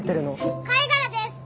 貝殻です。